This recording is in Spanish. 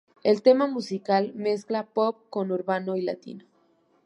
El tema musical mezcla pop con urbano y latino.